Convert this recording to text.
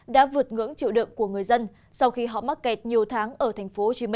đã vượt ngưỡng chịu đựng của người dân sau khi họ mắc kẹt nhiều tháng ở tp hcm